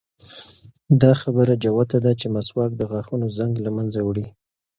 دا خبره جوته ده چې مسواک د غاښونو زنګ له منځه وړي.